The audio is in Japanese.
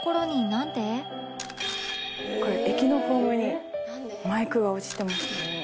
「これ駅のホームにマイクが落ちてました」